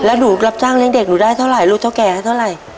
แล้วหนูรับจ้างเลี้ยงเด็กหนูได้เท่าไหร่ลูกเท่าแก่ให้เท่าไหร่